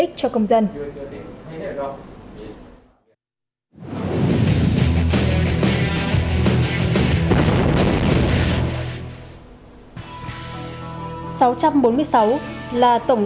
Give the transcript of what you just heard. sáu trăm bốn mươi sáu là tổng số cầu đường bộ đường sắt bắt qua trên các tuyến đường